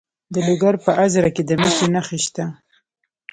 د لوګر په ازره کې د مسو نښې شته.